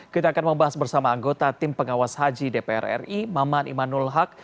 kita akan membahas bersama anggota tim pengawas haji dpr ri maman imanul haq